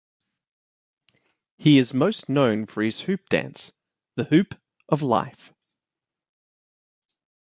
He is most known for his hoop dance, The Hoop of Life.